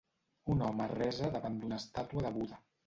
Un home resa davant d'una estàtua de Buda.